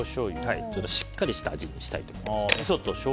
しっかりした味にしたいと思います。